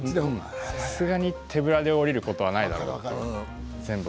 さすがに手ぶらで降りることはないだろうと全部。